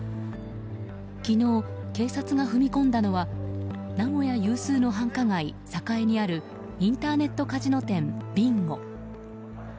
昨日、警察が踏み込んだのは名古屋有数の繁華街・栄にあるインターネットカジノ店ＢＩＮＧＯ。